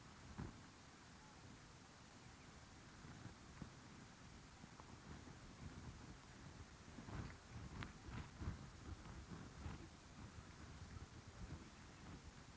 asal sekolah sma negeri satu sma negeri tiga